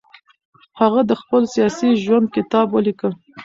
هغه د خپل سیاسي ژوند کتاب ولیکه.